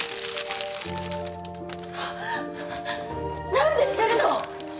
何で捨てるの！？